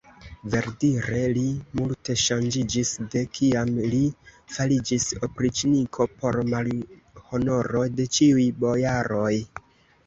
Verdire li multe ŝanĝiĝis, de kiam li fariĝis opriĉniko por malhonoro de ĉiuj bojaroj.